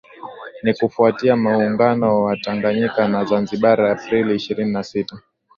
Ni kufuatia Muungano wa Tanganyika na Zanzibar Aprili ishirini na sita